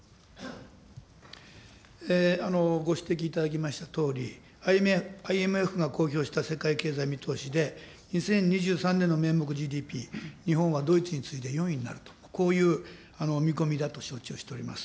ご指摘いただきましたとおり、ＩＭＦが公表した世界経済見通しで２０２３年の名目ＧＤＰ、日本はドイツに次いで４位になると、こういう見込みだと承知をしております。